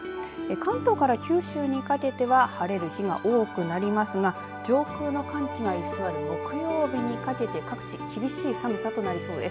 関東から九州にかけては晴れる日が多くなりますが上空の寒気が居座る木曜日にかけて各地厳しい寒さとなりそうです。